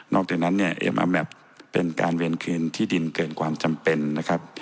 จากนั้นเนี่ยเอมาแมพเป็นการเวียนคืนที่ดินเกินความจำเป็นนะครับ